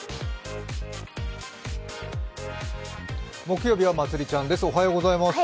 木曜日はまつりちゃんです。